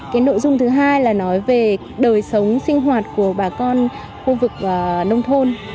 cái nội dung thứ hai là nói về đời sống sinh hoạt của bà con khu vực nông thôn